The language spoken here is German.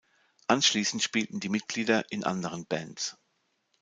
Anschließend spielten die Mitglieder in anderen Bands.